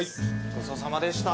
ごちそうさまでした。